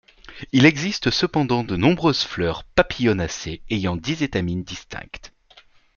Il existe cependant de nombreuses fleurs papilionacées ayant dix étamines distinctes.